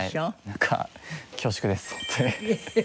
なんか恐縮ですホントに。